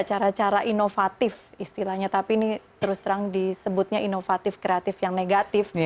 cara cara inovatif istilahnya tapi ini terus terang disebutnya inovatif kreatif yang negatif